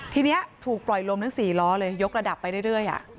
ทีนี้ถูกปล่อยลมทั้ง๔ล้อเลยยกระดับไปเรื่อย